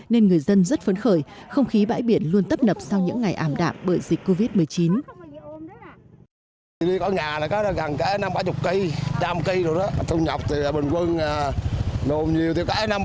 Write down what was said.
nên người dân rất phấn khởi không khí bãi biển luôn tấp nập sau những ngày ảm đạm bởi dịch covid một mươi chín